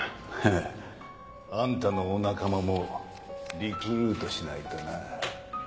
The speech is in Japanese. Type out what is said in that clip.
ええ。あんたのお仲間もリクルートしないとな。